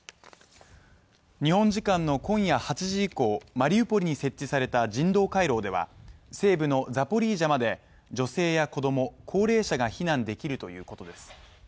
日本時間の今夜８時以降、マリウポリに設置された人道回廊では西部のザポリージャまで女性や子供、高齢者が避難できるということです。